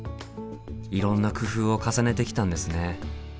いろんな工夫を重ねてきたんですね。